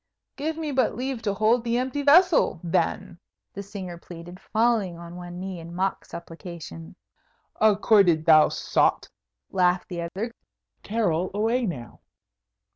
"Give me but leave to hold the empty vessel, then," the singer pleaded, falling on one knee in mock supplication. "Accorded, thou sot!" laughed the other. "Carol away, now!"